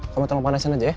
kamu tangan panasin aja ya